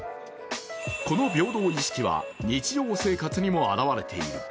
この平等意識は日常生活にも表れている。